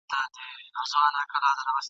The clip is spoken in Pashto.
وئېل ئې د ساه ګانو جوارۍ وته حيران دي ..